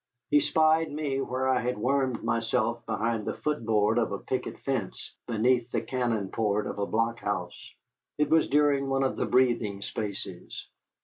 He spied me where I had wormed myself behind the foot board of a picket fence beneath the cannon port of a blockhouse. It was during one of the breathing spaces.